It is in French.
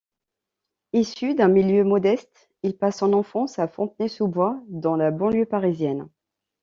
Issu d'un milieu modeste, il passe son enfance à Fontenay-sous-Bois, dans la banlieue parisienne.